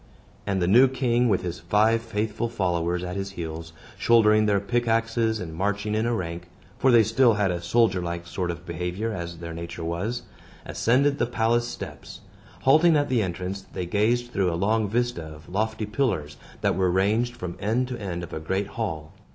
And the new king, with his five faithful followers at his heels, shouldering their pickaxes and marching in a rank (for they still had a soldier like sort of behavior, as their nature was), ascended the palace steps. Halting at the entrance, they gazed through a long vista of lofty pillars, that were ranged from end to end of a great hall.